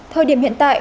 thời điểm hiện tại